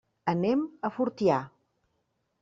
Anem a Fortià.